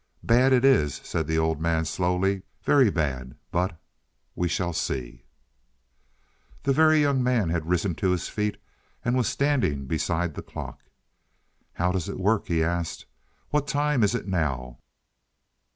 "Bad it is," said the old man slowly; "very bad. But we shall see " The Very Young Man had risen to his feet and was standing beside the clock. "How does it work?" he asked. "What time is it now?"